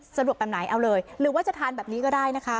แบบไหนเอาเลยหรือว่าจะทานแบบนี้ก็ได้นะคะ